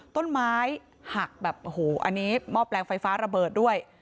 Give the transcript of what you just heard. ต้นไม้หักแบบโอ้โหอันนี้หม้อแปลงไฟฟ้าระเบิดด้วย